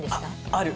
ある。